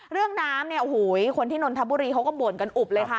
เรื่องน้ำเนี่ยโอ้โหคนที่นนทบุรีเขาก็บ่นกันอุบเลยค่ะ